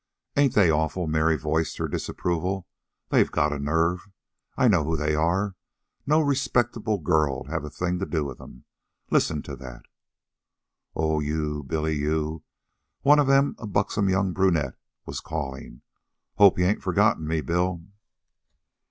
"Ain't they awful?" Mary voiced her disapproval. "They got a nerve. I know who they are. No respectable girl 'd have a thing to do with them. Listen to that!" "Oh, you Bill, you," one of them, a buxom young brunette, was calling. "Hope you ain't forgotten me, Bill."